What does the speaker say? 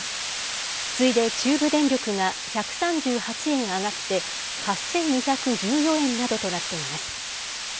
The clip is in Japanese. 次いで、中部電力が１３８円上がって８２１４円などとなっています。